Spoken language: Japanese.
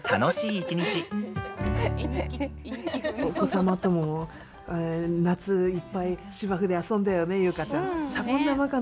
お子様とも、夏いっぱい芝生で遊んだよね、優香ちゃん。